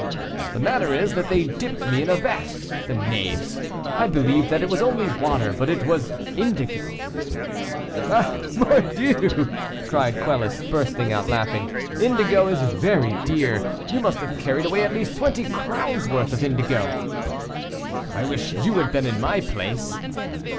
"The matter is, that they dipped me in a vat, the knaves; I believed that it was only water, but it was indigo." "Oh, mordieu!" cried Quelus, bursting out laughing, "indigo is very dear; you must have carried away at least twenty crowns' worth of indigo." "I wish you had been in my place."